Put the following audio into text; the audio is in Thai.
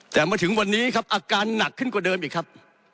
แต่มาถึงวันนี้ครับอาการหนักขึ้นกว่าเดิมอีกครับ